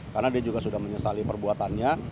karena dia juga sudah menyesali perbuatannya